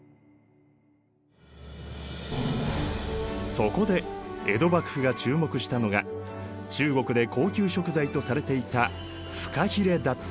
そこで江戸幕府が注目したのが中国で高級食材とされていたフカヒレだった！